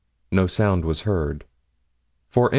No sound was heard. For M.